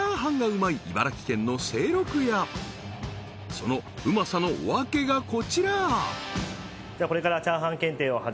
そのうまさのわけがこちら！